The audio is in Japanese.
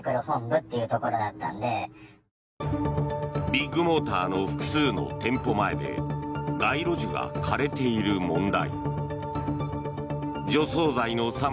ビッグモーターの複数の店舗前で街路樹が枯れている問題。